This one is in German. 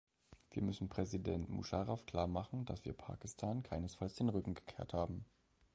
Wir müssen Präsident Musharraf klar machen, dass wir Pakistan keinesfalls den Rücken gekehrt haben.